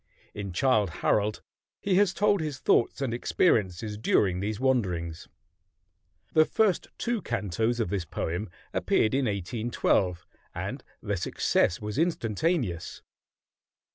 In "Childe Harold" he has told his thoughts and experiences during these wanderings. The first two cantos of this poem appeared in 1812, and their success was instantaneous.